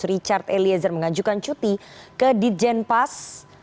richard eliezer mengajukan cuti ke dijenpas